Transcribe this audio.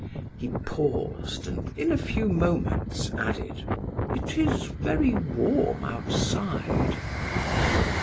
He paused and in a few moments added: "It is very warm outside."